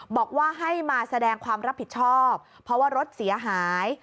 บอกว่าให้มาแสดงความรับผิดชอบเพราะว่ารถเสียหาย